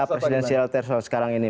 presidensial tersebut sekarang ini